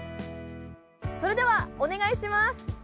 それではお願いします。